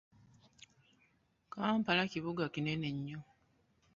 Kampala kibuga kinene nnyo.